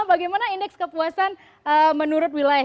bagaimana indeks kepuasan menurut wilayah